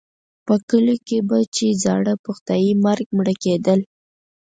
په کلیو کې به چې زاړه په خدایي مرګ مړه کېدل.